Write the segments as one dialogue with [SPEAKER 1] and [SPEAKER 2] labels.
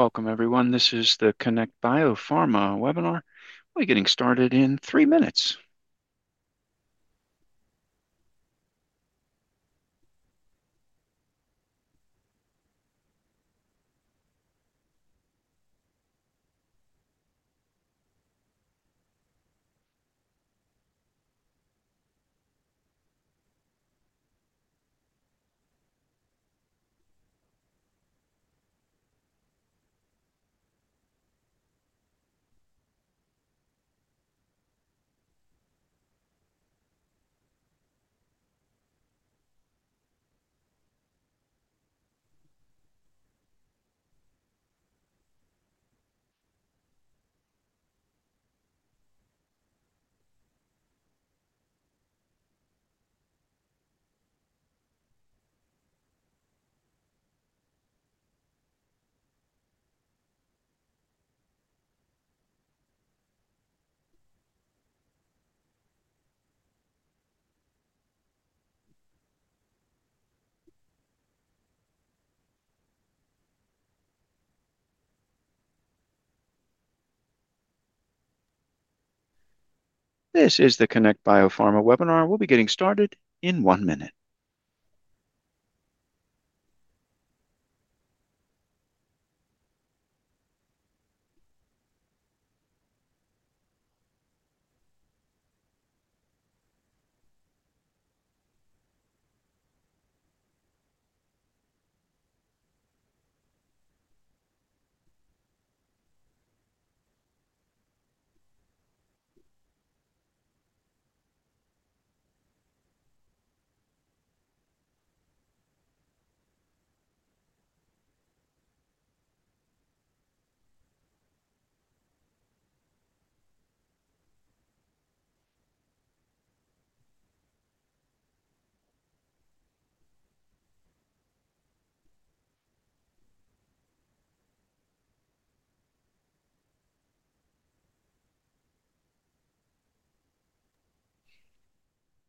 [SPEAKER 1] Welcome, everyone. This is the Connect Biopharma webinar. We'll be getting started in three minutes. This is the Connect Biopharma webinar. We'll be getting started in one minute.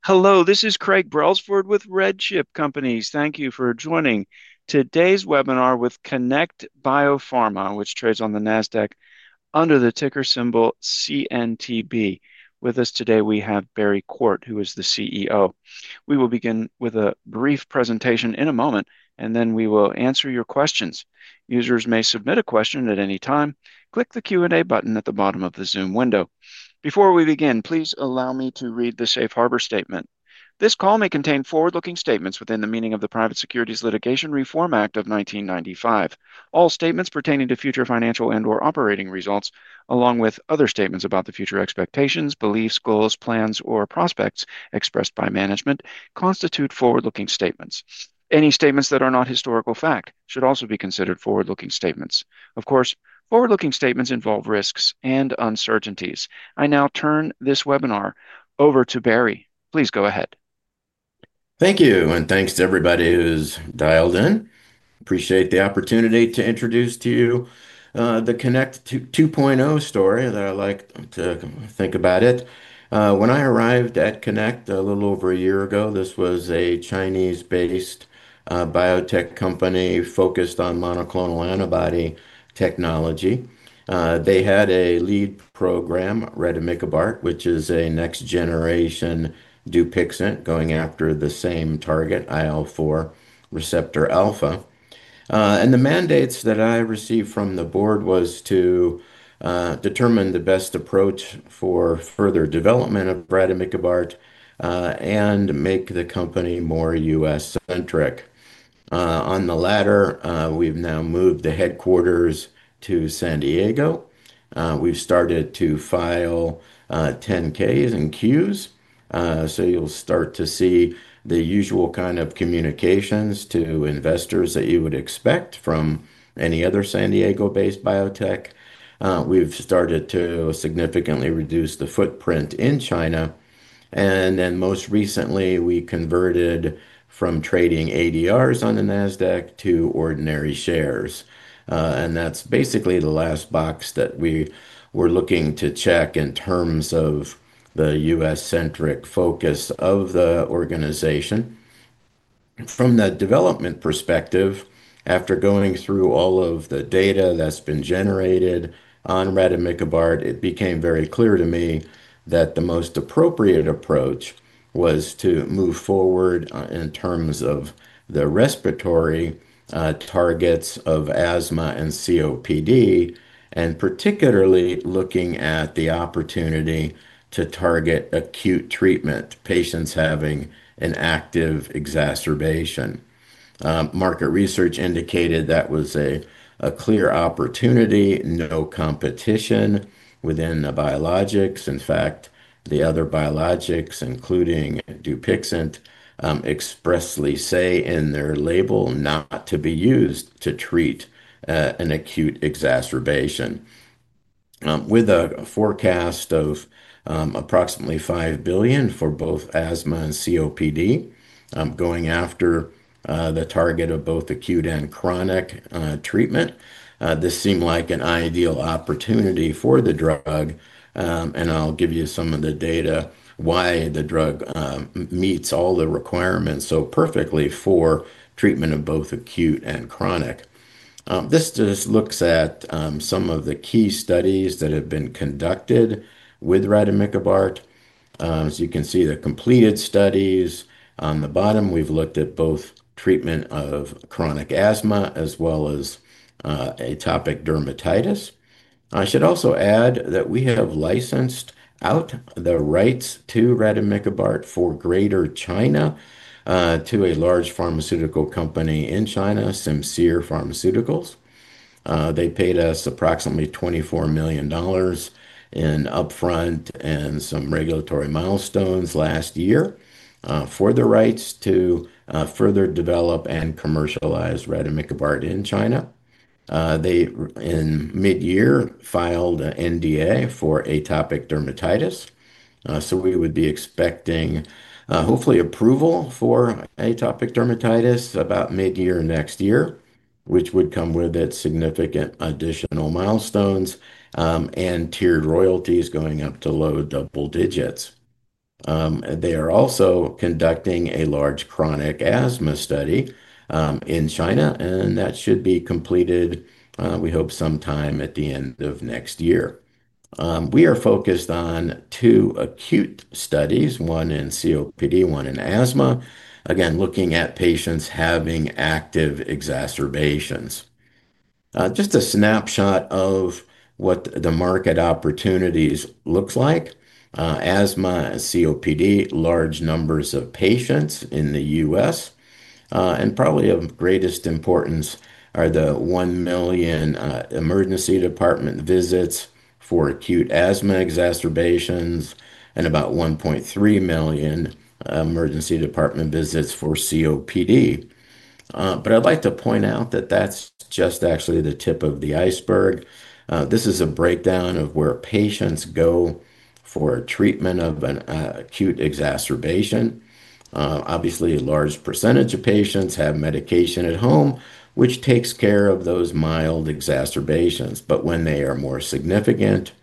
[SPEAKER 1] Hello, this is Craig Brelsford with RedChip Companies. Thank you for joining today's webinar with Connect Biopharma, which trades on the NASDAQ under the ticker symbol CNTB. With us today, we have Barry Quart, who is the CEO. We will begin with a brief presentation in a moment, and then we will answer your questions. Users may submit a question at any time. Click the Q&A button at the bottom of the Zoom window. Before we begin, please allow me to read the Safe Harbor Statement. This call may contain forward-looking statements within the meaning of the Private Securities Litigation Reform Act of 1995. All statements pertaining to future financial and/or operating results, along with other statements about the future expectations, beliefs, goals, plans, or prospects expressed by management, constitute forward-looking statements. Any statements that are not historical fact should also be considered forward-looking statements. Of course, forward-looking statements involve risks and uncertainties. I now turn this webinar over to Barry. Please go ahead.
[SPEAKER 2] Thank you, and thanks to everybody who's dialed in. Appreciate the opportunity to introduce to you the Connect 2.0 story that I like to think about. When I arrived at Connect a little over a year ago, this was a China-based biotech company focused on monoclonal antibody technology. They had a lead program, rademikibart, which is a next-generation Dupixent going after the same target, IL-4 receptor alpha. The mandates that I received from the board was to determine the best approach for further development of rademikibart and make the company more U.S.-centric. On the latter, we've now moved the headquarters to San Diego. We've started to file 10-Ks and Qs. You'll start to see the usual kind of communications to investors that you would expect from any other San Diego-based biotech. We've started to significantly reduce the footprint in China. Most recently, we converted from trading ADRs on the NASDAQ to ordinary shares. That's basically the last box that we were looking to check in terms of the U.S.-centric focus of the organization. From that development perspective, after going through all of the data that's been generated on rademikibart, it became very clear to me that the most appropriate approach was to move forward in terms of the respiratory targets of asthma and COPD, and particularly looking at the opportunity to target acute treatment patients having an active exacerbation. Market research indicated that was a clear opportunity, no competition within the biologics. In fact, the other biologics, including Dupixent, expressly say in their label not to be used to treat an acute exacerbation. With a forecast of approximately $5 billion for both asthma and COPD, going after the target of both acute and chronic treatment, this seemed like an ideal opportunity for the drug. I'll give you some of the data why the drug meets all the requirements so perfectly for treatment of both acute and chronic. This just looks at some of the key studies that have been conducted with rademikibart. As you can see, the completed studies on the bottom, we've looked at both treatment of chronic asthma as well as atopic dermatitis. I should also add that we have licensed out the rights to rademikibart for Greater China to a large pharmaceutical company in China, Simcere Pharmaceuticals. They paid us approximately $24 million in upfront and some regulatory milestones last year for the rights to further develop and commercialize rademikibart in China. They, in mid-year, filed an NDA for atopic dermatitis. We would be expecting, hopefully, approval for atopic dermatitis about mid-year next year, which would come with significant additional milestones and tiered royalties going up to low double digits. They are also conducting a large chronic asthma study in China, and that should be completed, we hope, sometime at the end of next year. We are focused on two acute studies, one in COPD, one in asthma, again, looking at patients having active exacerbations. Just a snapshot of what the market opportunities look like. Asthma and COPD, large numbers of patients in the U.S. and probably of greatest importance are the 1 million emergency department visits for acute asthma exacerbations and about 1.3 million emergency department visits for COPD. I'd like to point out that that's just actually the tip of the iceberg. This is a breakdown of where patients go for treatment of an acute exacerbation. Obviously, a large percentage of patients have medication at home, which takes care of those mild exacerbations. When they are more significant,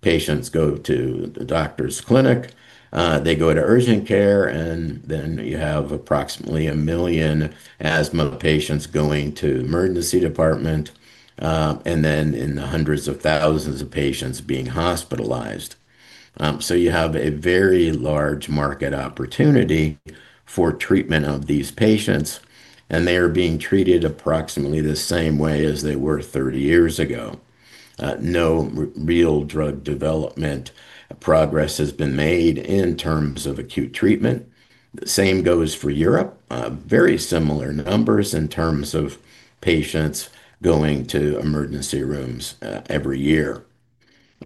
[SPEAKER 2] patients go to the doctor's clinic, they go to urgent care, and then you have approximately a million asthma patients going to the emergency department, and then in the hundreds of thousands of patients being hospitalized. You have a very large market opportunity for treatment of these patients, and they are being treated approximately the same way as they were 30 years ago. No real drug development progress has been made in terms of acute treatment. The same goes for Europe, very similar numbers in terms of patients going to emergency rooms every year.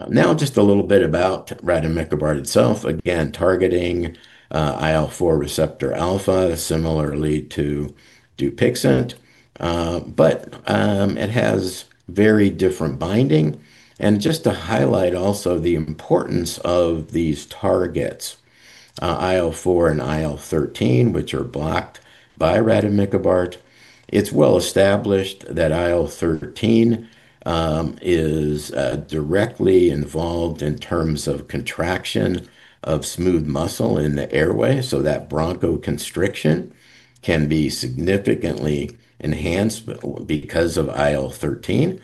[SPEAKER 2] Now, just a little bit about rademikibart itself, again, targeting IL-4 receptor-alpha, similarly to Dupixent. It has very different binding. Just to highlight also the importance of these targets, IL-4 and IL-13, which are blocked by rademikibart. It's well established that IL-13 is directly involved in terms of contraction of smooth muscle in the airway, so that bronchoconstriction can be significantly enhanced because of IL-13.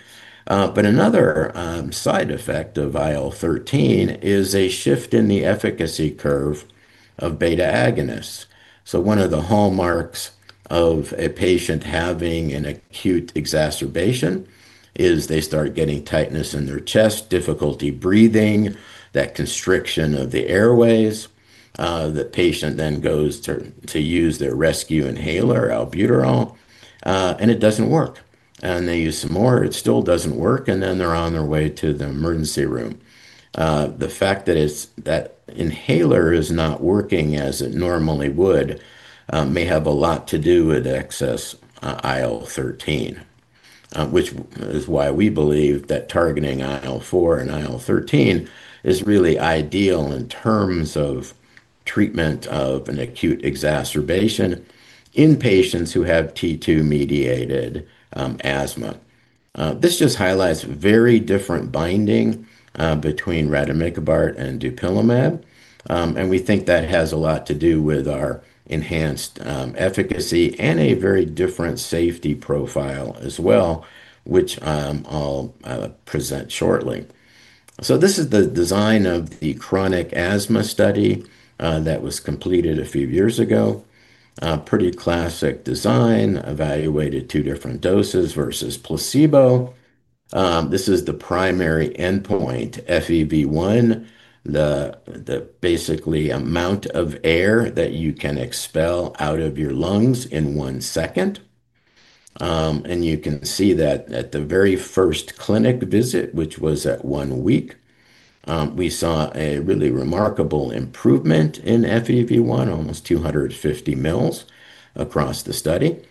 [SPEAKER 2] Another side effect of IL-13 is a shift in the efficacy curve of beta agonists. One of the hallmarks of a patient having an acute exacerbation is they start getting tightness in their chest, difficulty breathing, that constriction of the airways. The patient then goes to use their rescue inhaler, albuterol, and it doesn't work. They use some more, it still doesn't work, and then they're on their way to the emergency room. The fact that inhaler is not working as it normally would may have a lot to do with excess IL-13, which is why we believe that targeting IL-4 and IL-13 is really ideal in terms of treatment of an acute exacerbation in patients who have T2-mediated asthma. This just highlights very different binding between rademikibart and dupilumab, and we think that has a lot to do with our enhanced efficacy and a very different safety profile as well, which I'll present shortly. This is the design of the chronic asthma study that was completed a few years ago. Pretty classic design, evaluated two different doses versus placebo. This is the primary endpoint, FEV1, the basically amount of air that you can expel out of your lungs in one second. You can see that at the very first clinic visit, which was at one week, we saw a really remarkable improvement in FEV1, almost 250 mL across the study.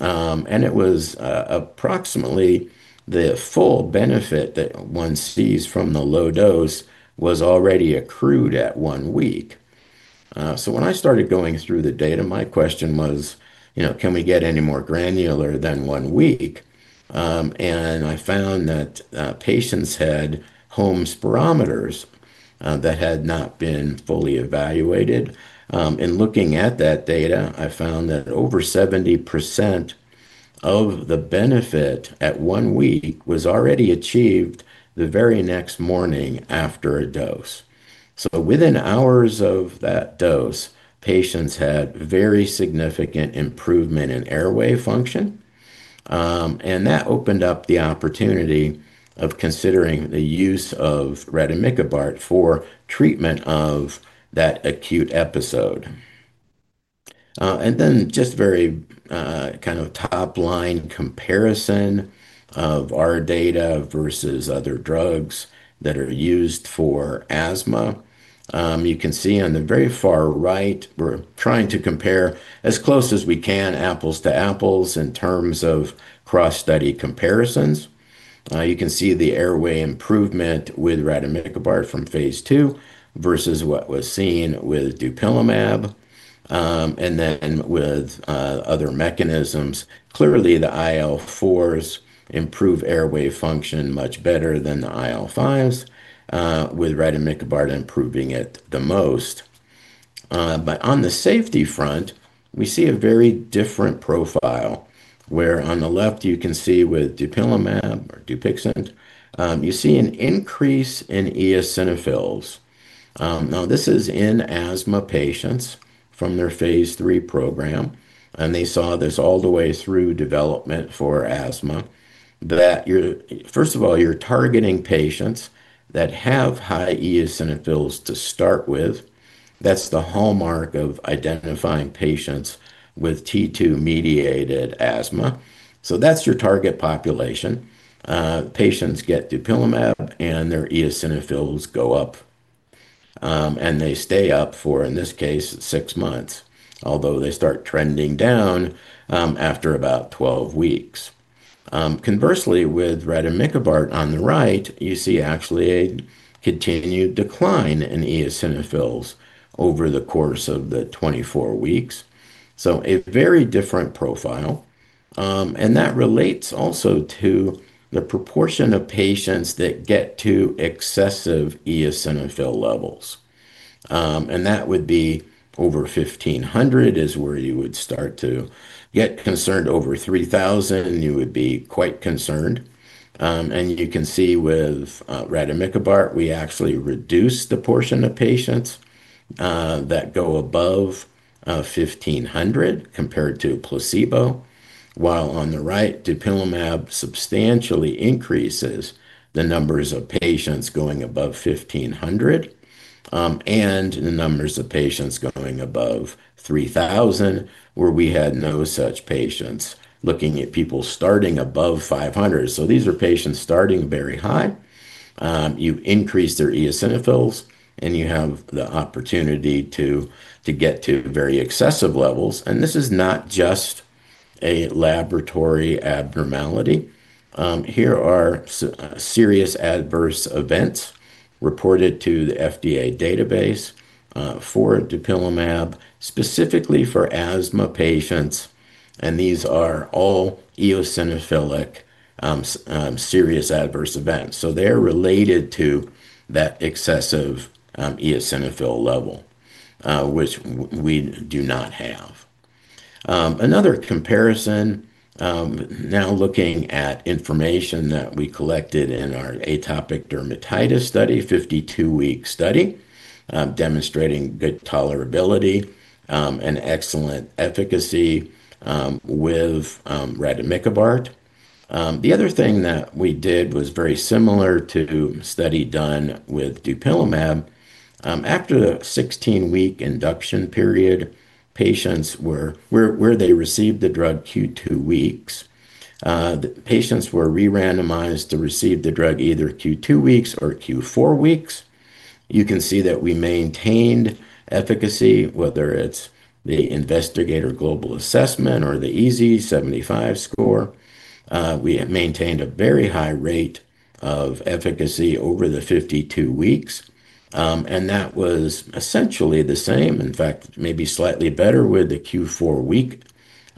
[SPEAKER 2] And it was. Approximately the full benefit that one sees from the low dose was already accrued at one week. When I started going through the data, my question was, "Can we get any more granular than one week?" I found that patients had home spirometers that had not been fully evaluated. In looking at that data, I found that over 70% of the benefit at one week was already achieved the very next morning after a dose. Within hours of that dose, patients had very significant improvement in airway function. That opened up the opportunity of considering the use of rademikibart for treatment of that acute episode. Just very kind of top-line comparison of our data versus other drugs that are used for asthma. You can see on the very far right, we're trying to compare as close as we can apples to apples in terms of cross-study comparisons. You can see the airway improvement with rademikibart from phase II versus what was seen with dupilumab, and then with other mechanisms. Clearly, the IL-4s improve airway function much better than the IL-5s, with rademikibart improving it the most. On the safety front, we see a very different profile where on the left, you can see with dupilumab or Dupixent, you see an increase in eosinophils. This is in asthma patients from their phase III program, and they saw this all the way through development for asthma. First of all, you're targeting patients that have high eosinophils to start with. That's the hallmark of identifying patients with T2-mediated asthma. That's your target population. Patients get dupilumab and their eosinophils go up, and they stay up for, in this case, six months, although they start trending down after about 12 weeks. Conversely, with rademikibart on the right, you see actually a continued decline in eosinophils over the course of the 24 weeks. A very different profile. That relates also to the proportion of patients that get to excessive eosinophil levels. That would be over 1,500 is where you would start to get concerned. Over 3,000, you would be quite concerned. You can see with rademikibart, we actually reduce the portion of patients that go above 1,500 compared to placebo, while on the right, dupilumab substantially increases the numbers of patients going above 1,500, and the numbers of patients going above 3,000, where we had no such patients. Looking at people starting above 500, these are patients starting very high. You increase their eosinophils, and you have the opportunity to get to very excessive levels. This is not just a laboratory abnormality. Here are serious adverse events reported to the FDA database for dupilumab, specifically for asthma patients. These are all eosinophilic serious adverse events, so they're related to that excessive eosinophil level, which we do not have. Another comparison, now looking at information that we collected in our atopic dermatitis study, 52-week study. Demonstrating good tolerability and excellent efficacy with rademikibart. The other thing that we did was very similar to the study done with dupilumab. After a 16-week induction period, patients were where they received the drug Q2 weeks. Patients were re-randomized to receive the drug either Q2 weeks or Q4 weeks. You can see that we maintained efficacy, whether it's the Investigator Global Assessment or the EASI-75 score. We maintained a very high rate of efficacy over the 52 weeks, and that was essentially the same, in fact, maybe slightly better with the Q4 week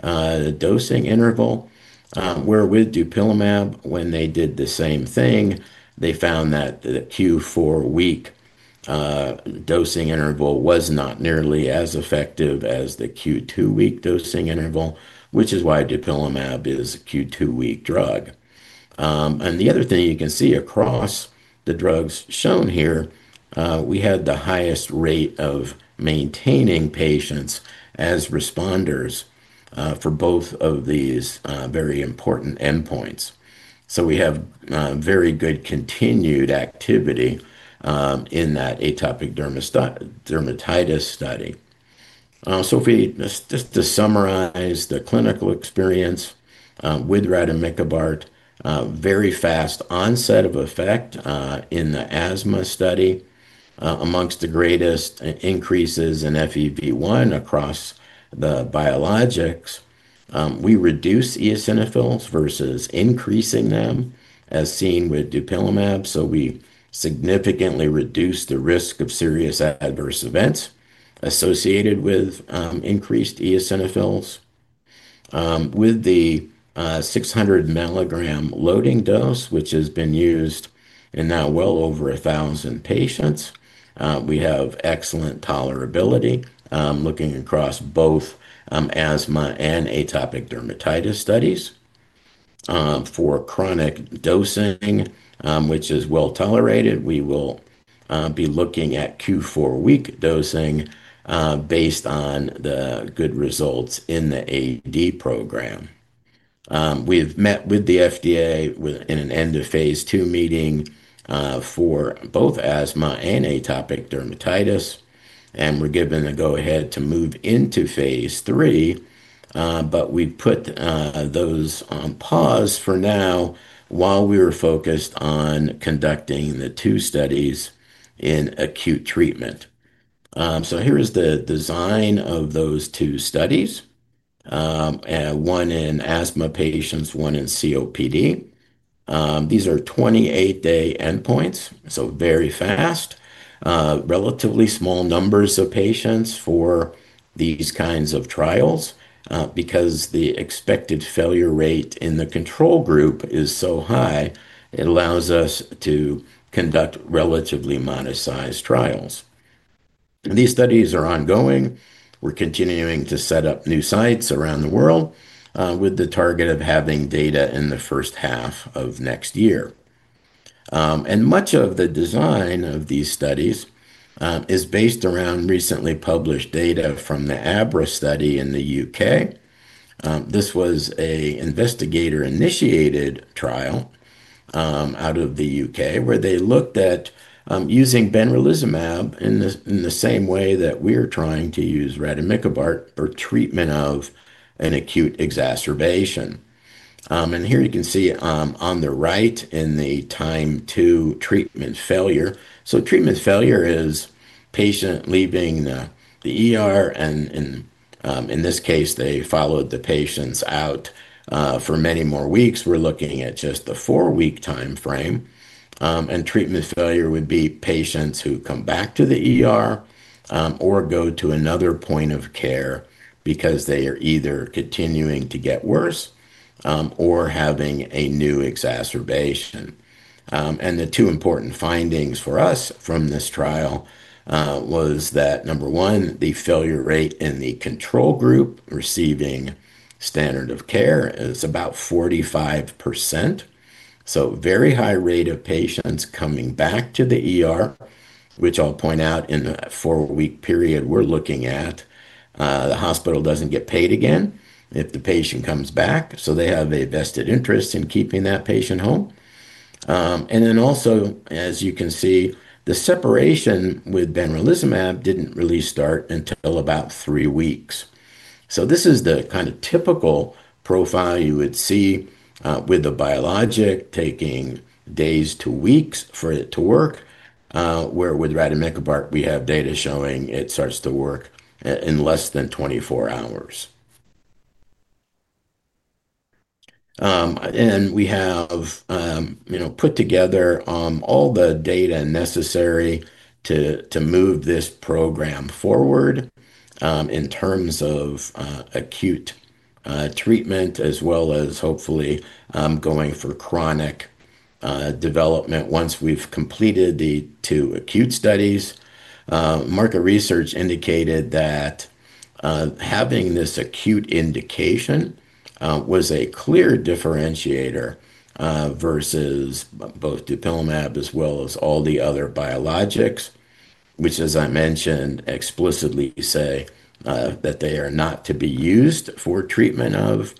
[SPEAKER 2] dosing interval. Where with dupilumab, when they did the same thing, they found that the Q4 week dosing interval was not nearly as effective as the Q2 week dosing interval, which is why dupilumab is a Q2 week drug. The other thing you can see across the drugs shown here, we had the highest rate of maintaining patients as responders for both of these very important endpoints. We have very good continued activity in that atopic dermatitis study. Just to summarize the clinical experience with rademikibart, very fast onset of effect in the asthma study. Amongst the greatest increases in FEV1 across the biologics. We reduced eosinophils versus increasing them as seen with dupilumab. We significantly reduced the risk of serious adverse events associated with increased eosinophils. With the 600 mg loading dose, which has been used in now well over 1,000 patients, we have excellent tolerability looking across both asthma and atopic dermatitis studies. For chronic dosing, which is well tolerated, we will be looking at Q4 week dosing based on the good results in the AD program. We've met with the FDA in an end-of-phase II meeting for both asthma and atopic dermatitis and were given the go-ahead to move into phase III. We put those on pause for now while we were focused on conducting the two studies in acute treatment. Here is the design of those two studies, one in asthma patients, one in COPD. These are 28-day endpoints, so very fast. Relatively small numbers of patients for these kinds of trials because the expected failure rate in the control group is so high, it allows us to conduct relatively modest-sized trials. These studies are ongoing. We're continuing to set up new sites around the world with the target of having data in the first half of next year. Much of the design of these studies is based around recently published data from the ABRA study in the U.K. This was an investigator-initiated trial out of the U.K. where they looked at using benralizumab in the same way that we are trying to use rademikibart for treatment of an acute exacerbation. Here you can see on the right in the time to treatment failure. Treatment failure is patient leaving the, and in this case, they followed the patients out for many more weeks. We're looking at just the four-week time frame. Treatment failure would be patients who come back to the or go to another point of care because they are either continuing to get worse or having a new exacerbation. The two important findings for us from this trial was that, number one, the failure rate in the control group receiving standard of care is about 45%. Very high rate of patients coming back to the, which I'll point out in the four-week period we're looking at. The hospital doesn't get paid again if the patient comes back. They have a vested interest in keeping that patient home. Also, as you can see, the separation with benralizumab didn't really start until about three weeks. This is the kind of typical profile you would see with a biologic taking days to weeks for it to work. Where with rademikibart, we have data showing it starts to work in less than 24 hours. We have put together all the data necessary to move this program forward in terms of acute treatment as well as hopefully going for chronic development once we've completed the two acute studies. Marker research indicated that having this acute indication was a clear differentiator versus both dupilumab as well as all the other biologics, which, as I mentioned, explicitly say that they are not to be used for treatment of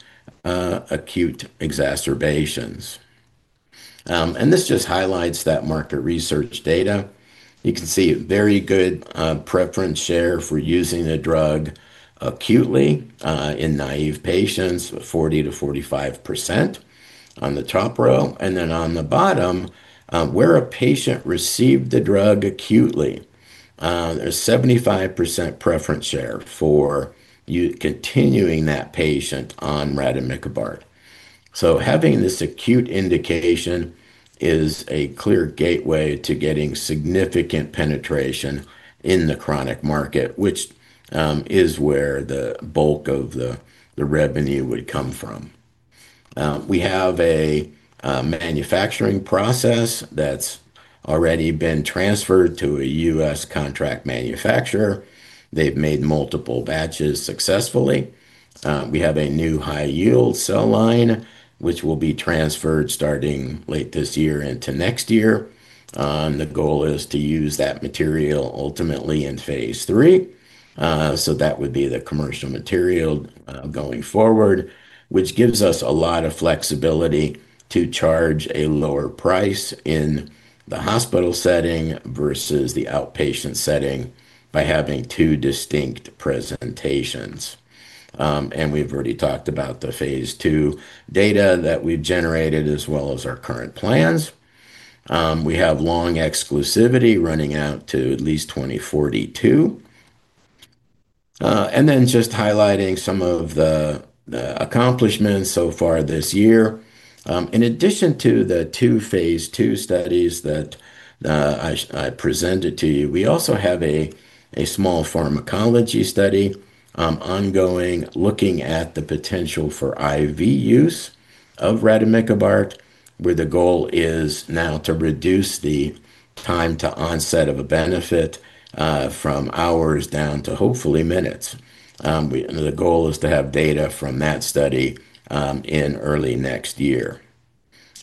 [SPEAKER 2] acute exacerbations. This just highlights that marker research data. You can see very good preference share for using the drug acutely in naive patients, 40%-45% on the top row. On the bottom, where a patient received the drug acutely, there's 75% preference share for continuing that patient on rademikibart. Having this acute indication is a clear gateway to getting significant penetration in the chronic market, which is where the bulk of the revenue would come from. We have a manufacturing process that's already been transferred to a U.S. contract manufacturer. They've made multiple batches successfully. We have a new high-yield cell line, which will be transferred starting late this year into next year. The goal is to use that material ultimately in phase III. That would be the commercial material going forward, which gives us a lot of flexibility to charge a lower price in the hospital setting versus the outpatient setting by having two distinct presentations. We've already talked about the phase II data that we've generated as well as our current plans. We have long exclusivity running out to at least 2042. Just highlighting some of the accomplishments so far this year, in addition to the two phase II studies that I presented to you, we also have a small pharmacology study ongoing looking at the potential for IV use of rademikibart, where the goal is now to reduce the time to onset of a benefit from hours down to hopefully minutes. The goal is to have data from that study in early next year.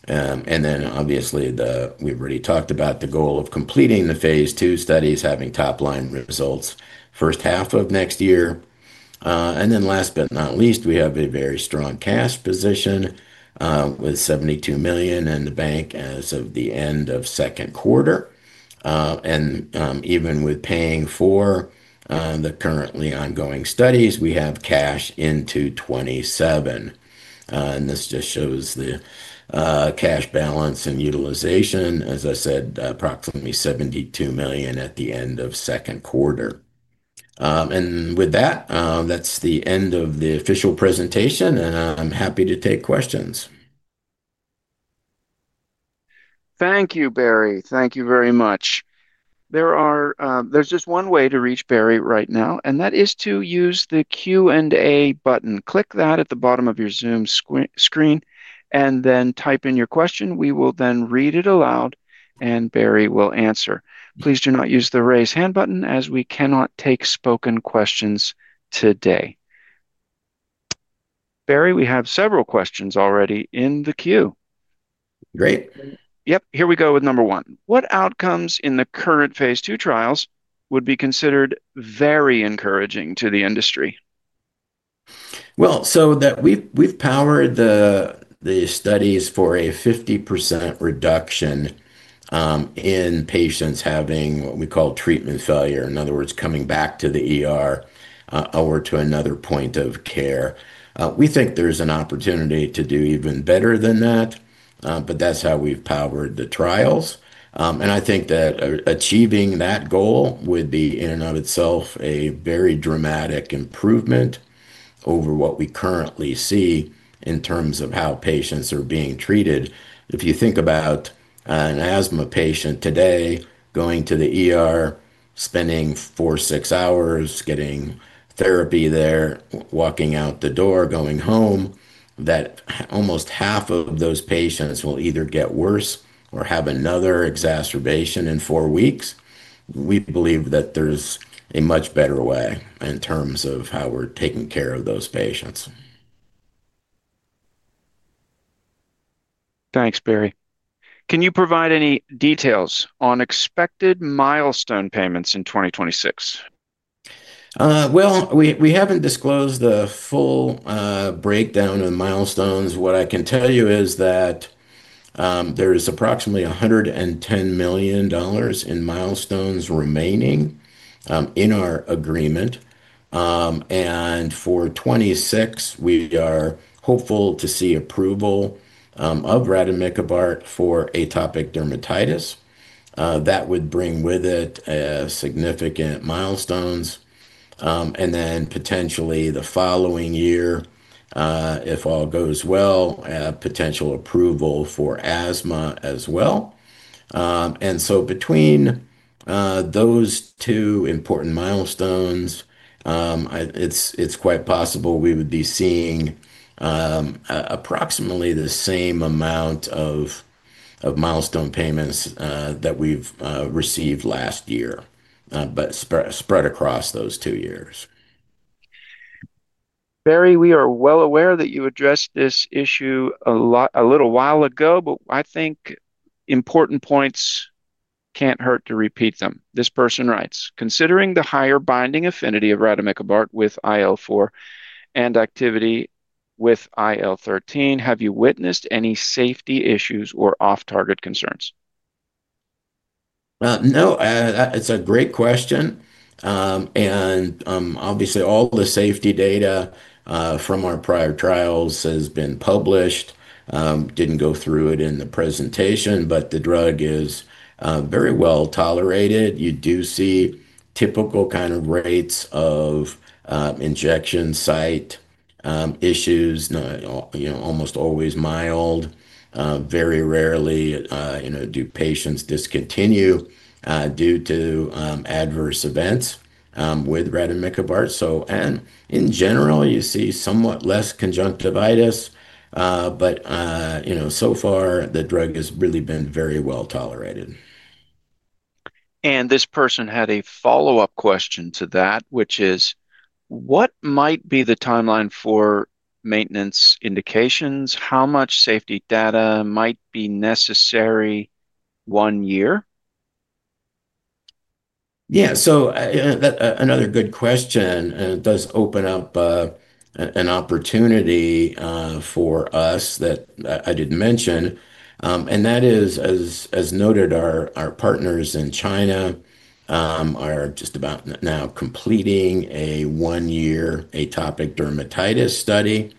[SPEAKER 2] Obviously, we've already talked about the goal of completing the phase II studies, having top-line results first half of next year. Last but not least, we have a very strong cash position, with $72 million in the bank as of the end of second quarter. Even with paying for the currently ongoing studies, we have cash into 2027. This just shows the cash balance and utilization, as I said, approximately $72 million at the end of second quarter. With that, that's the end of the official presentation, and I'm happy to take questions.
[SPEAKER 1] Thank you, Barry. Thank you very much. There's just one way to reach Barry right now, and that is to use the Q&A button. Click that at the bottom of your Zoom screen and then type in your question. We will then read it aloud, and Barry will answer. Please do not use the raise hand button as we cannot take spoken questions today. Barry, we have several questions already in the queue.
[SPEAKER 2] Great.
[SPEAKER 1] Yep. Here we go with number one. What outcomes in the current phase II trials would be considered very encouraging to the industry?
[SPEAKER 2] We've powered the studies for a 50% reduction in patients having what we call treatment failure, in other words, coming back to another point of care. We think there's an opportunity to do even better than that, but that's how we've powered the trials. I think that achieving that goal would be in and of itself a very dramatic improvement over what we currently see in terms of how patients are being treated. If you think about an asthma patient today going to the spending four, six hours getting therapy there, walking out the door, going home, almost half of those patients will either get worse or have another exacerbation in four weeks. We believe that there's a much better way in terms of how we're taking care of those patients.
[SPEAKER 1] Thanks, Barry. Can you provide any details on expected milestone payments in 2026?
[SPEAKER 2] We haven't disclosed the full breakdown of milestones. What I can tell you is that there is approximately $110 million in milestones remaining in our agreement. For 2026, we are hopeful to see approval of rademikibart for atopic dermatitis. That would bring with it significant milestones. Potentially the following year, if all goes well, potential approval for asthma as well. Between those two important milestones, it's quite possible we would be seeing approximately the same amount of milestone payments that we've received last year, but spread across those two years.
[SPEAKER 1] Barry, we are well aware that you addressed this issue a little while ago, but I think important points can't hurt to repeat them. This person writes, "Considering the higher binding affinity of rademikibart with IL-4 and activity with IL-13, have you witnessed any safety issues or off-target concerns?"
[SPEAKER 2] No. It's a great question. Obviously, all the safety data from our prior trials has been published. I did not go through it in the presentation, but the drug is very well tolerated. You do see typical kind of rates of injection site issues, almost always mild. Very rarely do patients discontinue due to adverse events with rademikibart. In general, you see somewhat less conjunctivitis. So far, the drug has really been very well tolerated.
[SPEAKER 1] This person had a follow-up question to that, which is, "What might be the timeline for maintenance indications? How much safety data might be necessary? One year?"
[SPEAKER 2] Yeah. Another good question. It does open up an opportunity for us that I did not mention. That is, as noted, our partners in China are just about now completing a one-year atopic dermatitis study.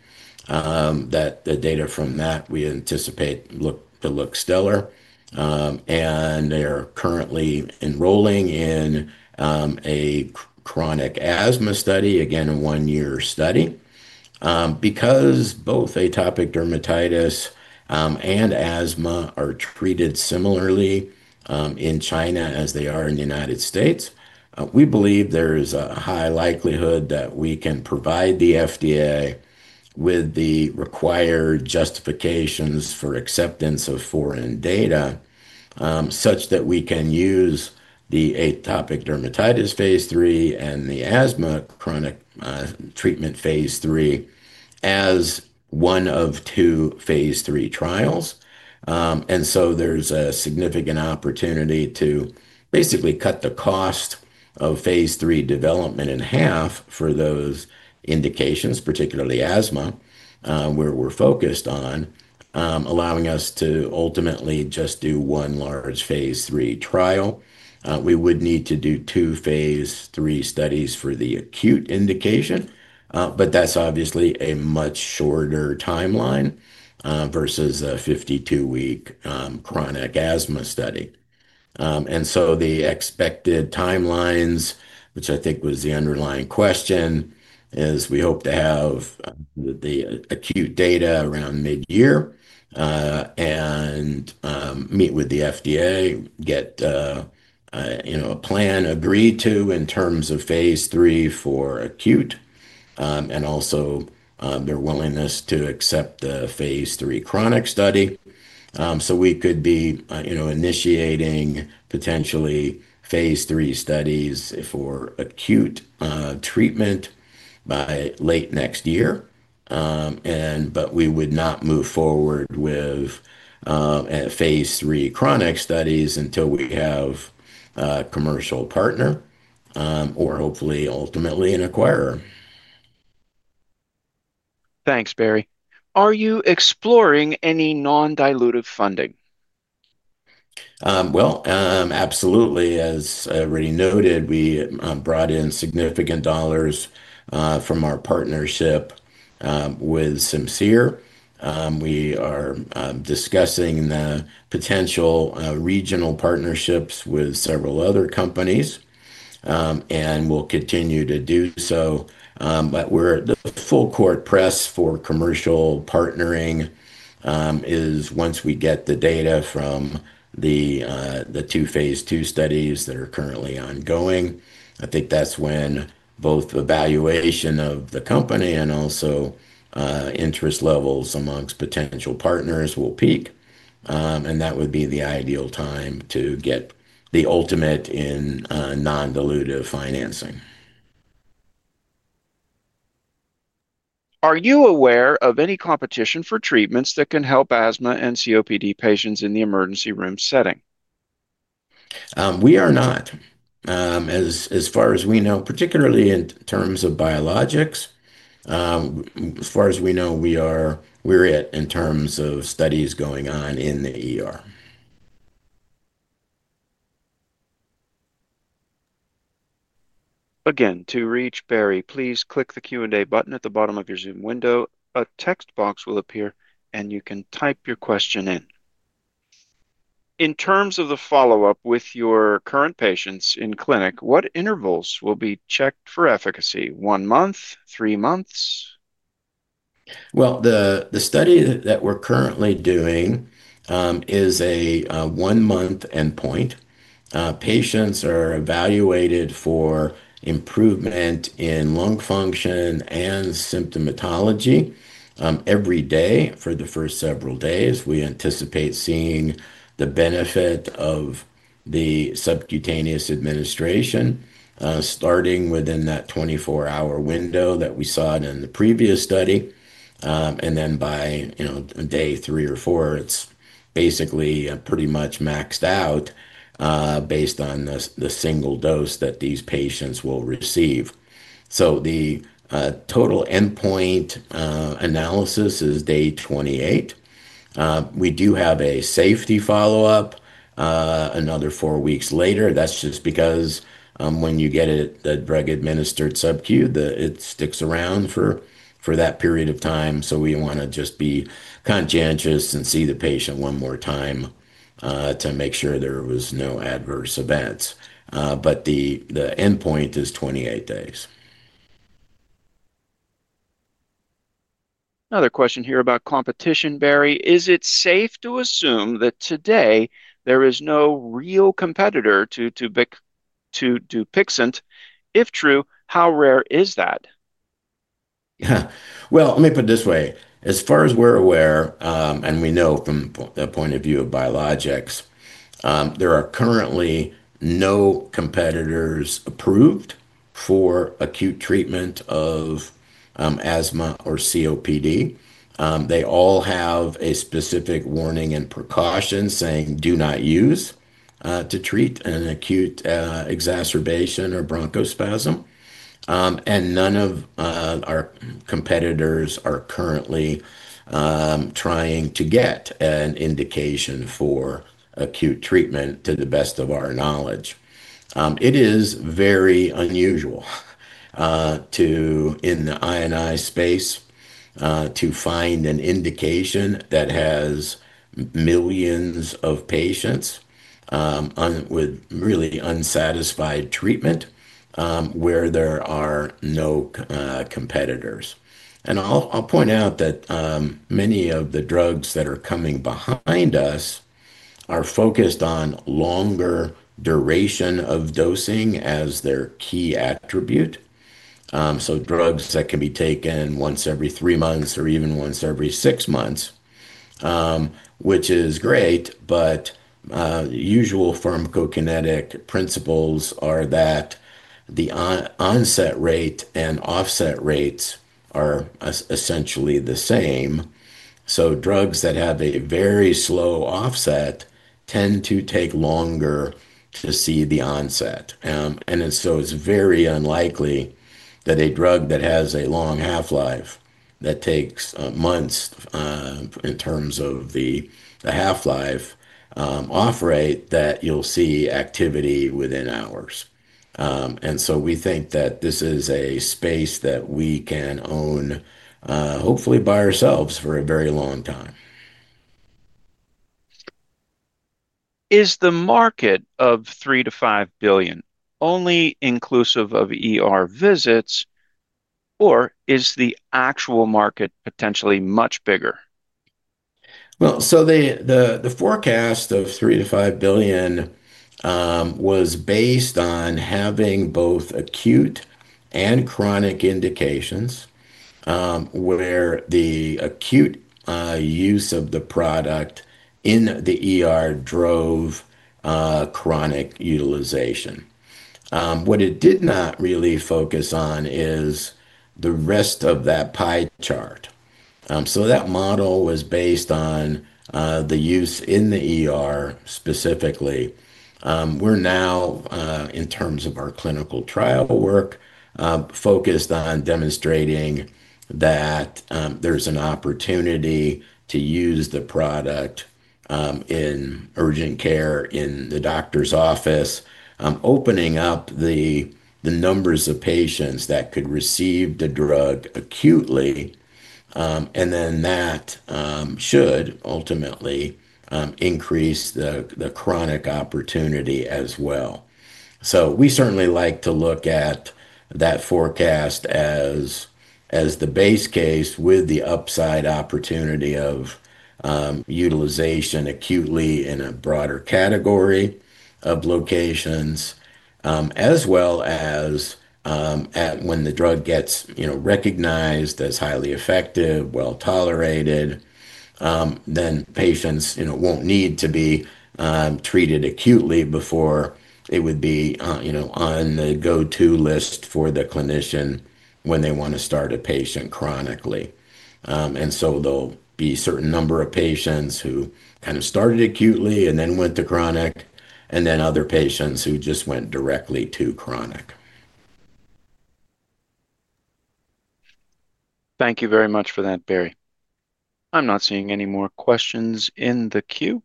[SPEAKER 2] The data from that we anticipate to look stellar. They are currently enrolling in a chronic asthma study, again, a one-year study. Because both atopic dermatitis and asthma are treated similarly in China as they are in the United States, we believe there is a high likelihood that we can provide the FDA with the required justifications for acceptance of foreign data, such that we can use the atopic dermatitis phase III and the asthma chronic treatment phase III as one of two phase III trials. There is a significant opportunity to basically cut the cost of phase III development in half for those indications, particularly asthma, where we are focused on, allowing us to ultimately just do one large phase III trial. We would need to do two phase III studies for the acute indication, but that is obviously a much shorter timeline versus a 52-week chronic asthma study. The expected timelines, which I think was the underlying question, is we hope to have the acute data around mid-year and meet with the FDA, get a plan agreed to in terms of phase III for acute, and also their willingness to accept the phase III chronic study. We could be initiating potentially phase III studies for acute treatment by late next year, but we would not move forward with phase III chronic studies until we have a commercial partner or hopefully ultimately an acquirer.
[SPEAKER 1] Thanks, Barry. Are you exploring any non-dilutive funding?
[SPEAKER 2] Absolutely. As I already noted, we brought in significant dollars from our partnership with Simcere. We are discussing the potential regional partnerships with several other companies and will continue to do so. We are at the full court press for commercial partnering. Once we get the data from the two phase II studies that are currently ongoing, I think that is when both the valuation of the company and also interest levels amongst potential partners will peak. That would be the ideal time to get the ultimate in non-dilutive financing.
[SPEAKER 1] Are you aware of any competition for treatments that can help asthma and COPD patients in the emergency room setting?
[SPEAKER 2] We are not. As far as we know, particularly in terms of biologics. As far as we know, we're at in terms of studies going on in the
[SPEAKER 1] Again, to reach Barry, please click the Q&A button at the bottom of your Zoom window. A text box will appear, and you can type your question in. In terms of the follow-up with your current patients in clinic, what intervals will be checked for efficacy? One month? Three months?
[SPEAKER 2] The study that we're currently doing is a one-month endpoint. Patients are evaluated for improvement in lung function and symptomatology every day for the first several days. We anticipate seeing the benefit of the subcutaneous administration starting within that 24-hour window that we saw in the previous study. By day three or four, it's basically pretty much maxed out based on the single dose that these patients will receive. The total endpoint analysis is day 28. We do have a safety follow-up another four weeks later. That's just because when you get the drug administered SubQ, it sticks around for that period of time. We want to just be conscientious and see the patient one more time to make sure there was no adverse events. The endpoint is 28 days.
[SPEAKER 1] Another question here about competition, Barry. Is it safe to assume that today there is no real competitor to Dupixent? If true, how rare is that?
[SPEAKER 2] Yeah. Let me put it this way. As far as we're aware and we know from the point of view of biologics, there are currently no competitors approved for acute treatment of asthma or COPD. They all have a specific warning and precaution saying, "Do not use to treat an acute exacerbation or bronchospasm." None of our competitors are currently trying to get an indication for acute treatment to the best of our knowledge. It is very unusual in the INI space to find an indication that has millions of patients with really unsatisfied treatment where there are no competitors. I'll point out that many of the drugs that are coming behind us are focused on longer duration of dosing as their key attribute. Drugs that can be taken once every three months or even once every six months, which is great, but usual pharmacokinetic principles are that the onset rate and offset rates are essentially the same. Drugs that have a very slow offset tend to take longer to see the onset, and it's very unlikely that a drug that has a long half-life that takes months in terms of the half-life, offer it, that you'll see activity within hours. We think that this is a space that we can own, hopefully by ourselves, for a very long time.
[SPEAKER 1] Is the market of $3 billion-$5 billion only inclusive of visits, or is the actual market potentially much bigger?
[SPEAKER 2] The forecast of $3 billion-$5 billion. Was based on having both acute and chronic indications. Where the acute use of the product in the drove chronic utilization. What it did not really focus on is the rest of that pie chart. So that model was based on the use in the specifically. We're now, in terms of our clinical trial work, focused on demonstrating that there's an opportunity to use the product in urgent care in the doctor's office, opening up the numbers of patients that could receive the drug acutely. And then that should ultimately increase the chronic opportunity as well. We certainly like to look at that forecast as the base case with the upside opportunity of utilization acutely in a broader category of locations. As well as when the drug gets recognized as highly effective, well tolerated, then patients won't need to be treated acutely before it would be on the go-to list for the clinician when they want to start a patient chronically. There'll be a certain number of patients who kind of started acutely and then went to chronic, and then other patients who just went directly to chronic.
[SPEAKER 1] Thank you very much for that, Barry. I'm not seeing any more questions in the queue.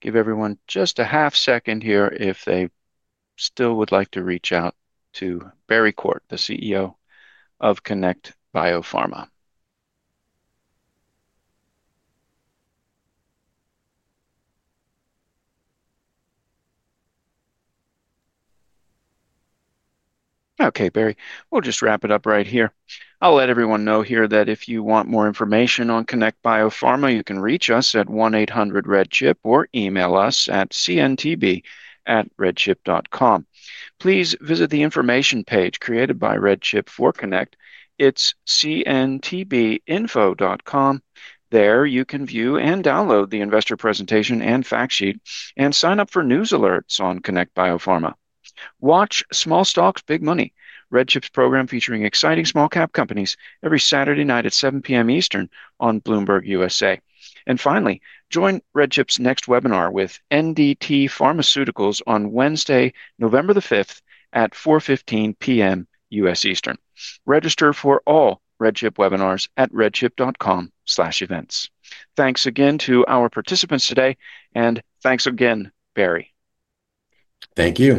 [SPEAKER 1] Give everyone just a half second here if they still would like to reach out to Barry Quart, the CEO of Connect Biopharma. Okay, Barry. We'll just wrap it up right here. I'll let everyone know here that if you want more information on Connect Biopharma, you can reach us at 1-800-REDCHIP or email us at cntb@redchip.com. Please visit the information page created by RedChip for Connect. It's cntbinfo.com. There you can view and download the investor presentation and fact sheet and sign up for news alerts on Connect Biopharma. Watch Small Stocks, Big Money, RedChip's program featuring exciting small-cap companies every Saturday night at 7:00 P.M.Eastern on Bloomberg USA. Finally, join RedChip's next webinar with NDT Pharmaceuticals on Wednesday, November the 5th at 4:15 P.M. US Eastern. Register for all RedChip webinars at redchip.com/events. Thanks again to our participants today, and thanks again, Barry.
[SPEAKER 2] Thank you.